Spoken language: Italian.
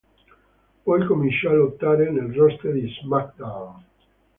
Poi cominciò a lottare nel roster di SmackDown!.